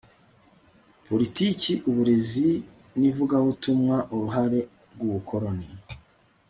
politiki uburezi n ivugabutumwa uruhare rw ubukoloni